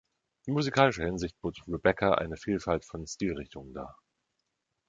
In musikalischer Hinsicht bot Rebecca eine Vielfalt von Stilrichtungen dar.